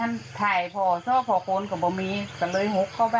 นี่ครับ